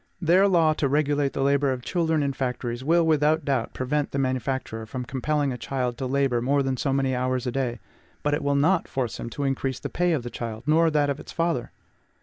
Their law to regulate the labor of children in factories will, without doubt, prevent the manufacturer from compelling a child to labor more than so many hours a day; but it will not force him to increase the pay of the child, nor that of its father.